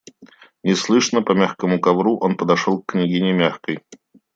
Неслышно, по мягкому ковру, он подошел к княгине Мягкой.